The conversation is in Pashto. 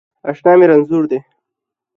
اشنا می رنځور دی